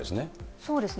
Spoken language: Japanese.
そうですね、